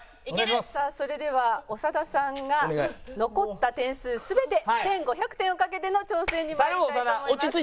さあそれでは長田さんが残った点数全て１５００点を賭けての挑戦に参りたいと思います。